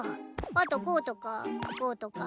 あとこうとかこうとか。